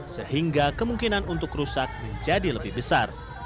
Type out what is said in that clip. sehingga kemungkinan untuk rusak menjadi lebih besar